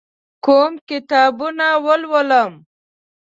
کوم کتابونه ولولم؟